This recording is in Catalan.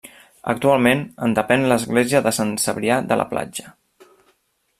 Actualment en depèn l'església de Sant Cebrià de la Platja.